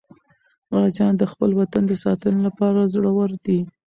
غازیان د خپل وطن د ساتنې لپاره زړور دي.